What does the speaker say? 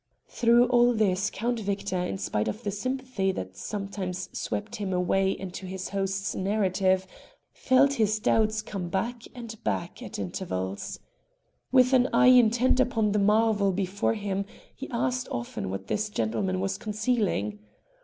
Through all this Count Victor, in spite of the sympathy that sometimes swept him away into his host's narrative, felt his doubts come back and back at intervals. With an eye intent upon the marvel before him, he asked often what this gentleman was concealing.